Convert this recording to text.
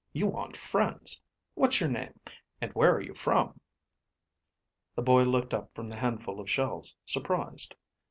You want friends. What's your name? And where are you from?" The boy looked up from the handful of shells, surprised.